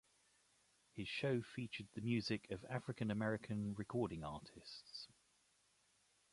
His show featured the music of African-American recording artists.